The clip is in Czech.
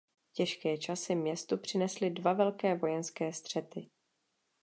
Těžké časy městu přinesly dva velké vojenské střety.